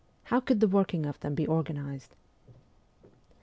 How could the working of them be organized?'